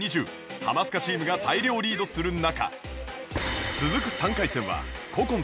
ハマスカチームが大量リードする中